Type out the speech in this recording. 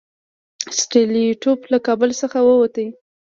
سټولیټوف له کابل څخه ووت.